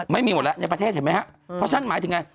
ไม่มีหมดแล้วในประเทศเห็นไหมครับเพราะฉันหมายถึงไง